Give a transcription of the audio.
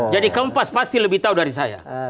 jadi kompas pasti lebih tahu dari saya